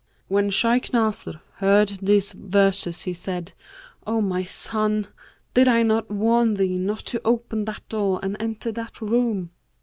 When Shaykh Nasr heard these verses, he said, 'O my son, did I not warn thee not to open that door and enter that room?